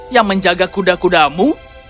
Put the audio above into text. yang menjaga kuda kudamu